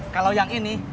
kalau yang ini